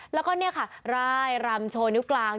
แล้วก็เนี่ยค่ะร่ายรำโชว์นิ้วกลาง